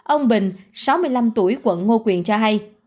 ông bình sáu mươi năm tuổi quận ngô quyền cho hay